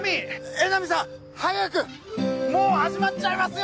江波さん早くもう始まっちゃいますよ！